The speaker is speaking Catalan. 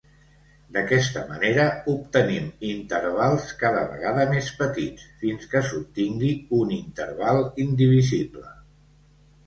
D'aquesta manera obtenim intervals cada vegada més petits, fins que s'obtingui un interval indivisible.